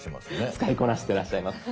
使いこなしてらっしゃいます。